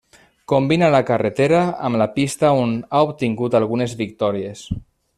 Combina la carretera amb la pista on ha obtingut algunes victòries.